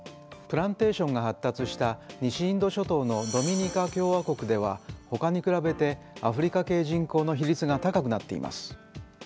プランテーションが発達した西インド諸島のドミニカ共和国ではほかに比べてアフリカ系人口の比率が高くなっています。